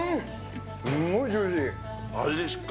すんごいジューシー。